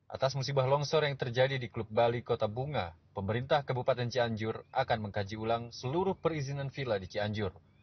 atas musibah longsor yang terjadi di klub bali kota bunga pemerintah kabupaten cianjur akan mengkaji ulang seluruh perizinan villa di cianjur